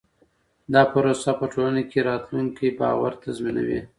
دا پروسه په ټولنه کې راتلونکی باور تضمینوي.